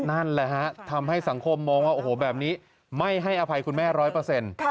นั่นแหละทำให้สังคมมองว่าแบบนี้ไม่ให้อภัยคุณแม่๑๐๐